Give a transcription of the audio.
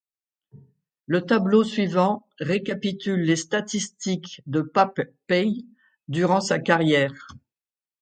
Le tableau suivant récapitule les statistiques de Pape Paye durant sa carrière.